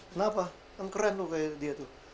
kenapa kan keren tuh kayak dia tuh